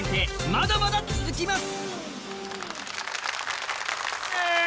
まだまだ続きます。